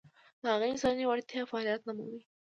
د هغه انساني وړتیاوې فعلیت نه مومي.